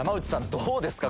どうですか